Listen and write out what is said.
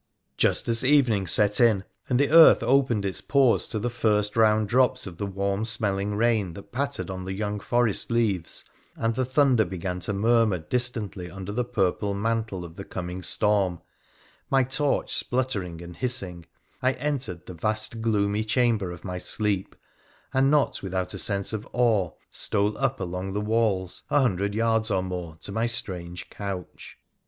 Just as the evening set in, and the earth opened its pores to the first round drops of the warm smelling rain that pattered on the young forest leaves, and the thunder began to murmur distantly under the purple mantle of the coming storm, my torch spluttering and hissing, I entered the vast gloomy chamber of my sleep, and, not without a sense of awe, stole up along the walls, a hundred yards or more, to my strange couch.